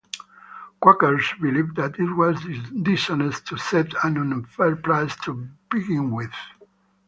Quakers believed that it was dishonest to set an unfair price to begin with.